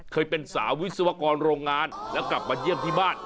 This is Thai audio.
เคยเป็นสาววิศวกรโรงงานแล้วกลับมาเยี่ยมที่บ้าน